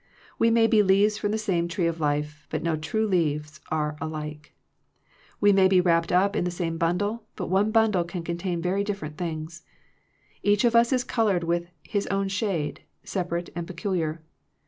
We may be leaves from the same tree of life, but no two leaves are alike. We may be wrapped up in the same bundle, but one bundle can contain very different things. Each of us is colored with his own shade, sepa rate and peculiar.